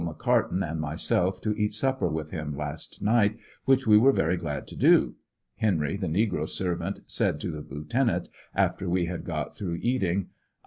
McCarten and myself to eat supper with him last night, which we w^ere very glad to do . Henry, the negro servant, said to the lieutenant after we had got through e:it ing: '*!